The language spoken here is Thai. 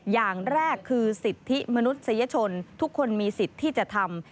อย่างแรกคือสิทธิมนุษยชนทุกคนมีสิทธิ์ที่จะทำ